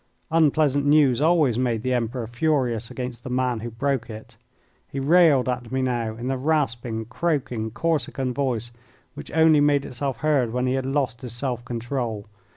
Unpleasant news always made the Emperor furious against the man who broke it. He railed at me now in the rasping, croaking, Corsican voice which only made itself heard when he had lost his self control.